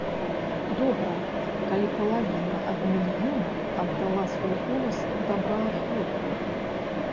Добра, калі палавіна ад мільёна аддала свой голас добраахвотна.